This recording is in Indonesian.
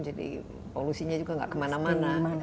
jadi polusinya juga tidak kemana mana